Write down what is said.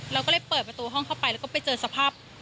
เราก็เลยเปิดประตูห้องเข้าไปแล้วก็ไปเจอสภาพ